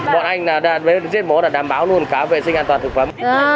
bọn anh giết mổ là đảm bảo luôn khá vệ sinh an toàn thực phẩm